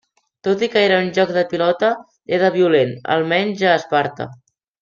Tot i que era un joc de pilota, era violent, almenys a Esparta.